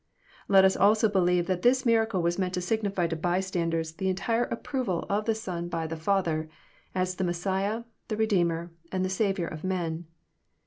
— Let us also believe that this miracle was meant to signify to bystanders the entire approval of the Son by the Father, as the Messiah, the Hedeemer, and the Saviour of man.